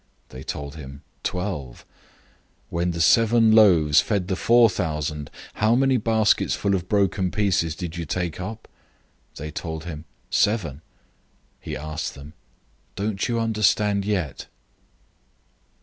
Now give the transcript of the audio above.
They told him, "Twelve." 008:020 "When the seven loaves fed the four thousand, how many baskets full of broken pieces did you take up?" They told him, "Seven." 008:021 He asked them, "Don't you understand, yet?"